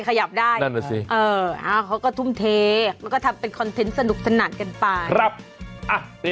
เขาก็ทุ่มเทแล้วก็ทำเป็นคอนเทนต์สนุกสนัดกันไป